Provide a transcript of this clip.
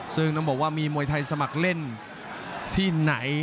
ซึ่งต้องบอกว่ามีมวยไทยสมัครเล่นที่ไหน